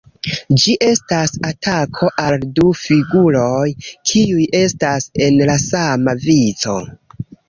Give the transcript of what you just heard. Ĝi estas atako al du figuroj, kiuj estas en la sama vico.